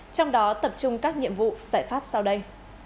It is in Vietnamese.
trong đó tập trung các nhiệm vụ giải pháp sau đây